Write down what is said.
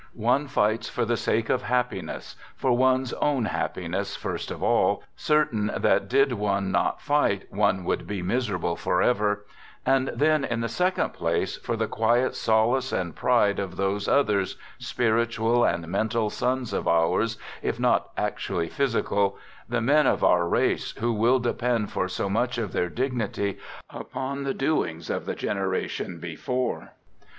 One fights for the sake of happiness — for one's own hap piness first of all, certain that did one not fight one would be miserable forever — and then, in the sec ond place, for the quiet solace and pride of those others, spiritual and mental sons of ours, if not actu ally physical — the men of our race who will de pend for so much of their dignity upon the doings of the generation before.